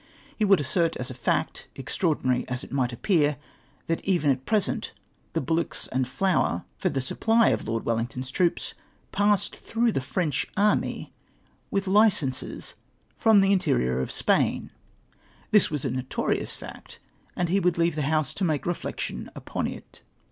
He would assert, as a fact, extraordinary as it might appear, that even at present tlie bullocks and flour for tlie supply of Lord NAVAL DEFENCES, 219 Wellington's troops passed through the French army with licenses from the interior of Spain. This was a notorious fact, and he would leave tlie House to make reflections upon it.